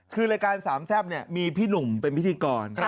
คือรายการสามแซ่บเนี่ยมีพี่หนุ่มเป็นพิธีกร